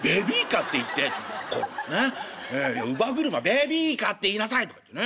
「ベビーカーって言いなさい」とかってね。